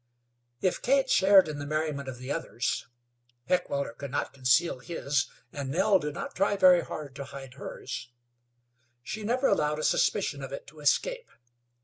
If Kate shared in the merriment of the others Heckewelder could not conceal his, and Nell did not try very hard to hide hers she never allowed a suspicion of it to escape.